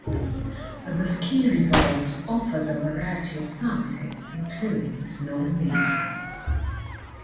The ski resort offers a variety of services including snowmaking.